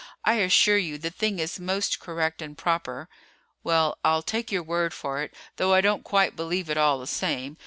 I assure you the thing is most correct and proper." "Well, I'll take your word for it, though I don't quite believe it all the same.